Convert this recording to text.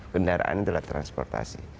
kendaraan itu alat transportasi